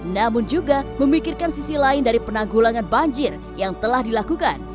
namun juga memikirkan sisi lain dari penanggulangan banjir yang telah dilakukan